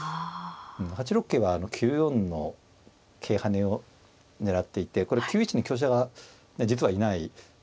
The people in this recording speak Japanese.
８六桂は９四の桂跳ねを狙っていてこれ９一に香車が実はいない。